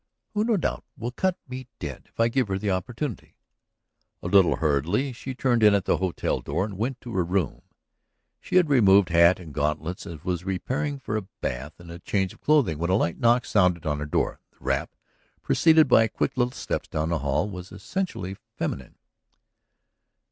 "Who, no doubt, will cut me dead if I give her the opportunity." A little hurriedly she turned in at the hotel door and went to her room. She had removed hat and gantlets, and was preparing for a bath and change of clothing when a light knock sounded on her door. The rap, preceded by quick little steps down the hall, was essentially feminine.